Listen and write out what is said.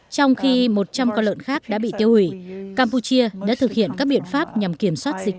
những con lợn khác đã bị tiêu hủy campuchia đã thực hiện các biện pháp nhằm kiểm soát dịch